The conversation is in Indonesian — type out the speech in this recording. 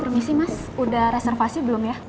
permisi mas udah reservasi belum ya